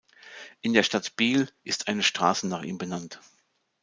In der Stadt Biel ist eine Strasse nach ihm benannt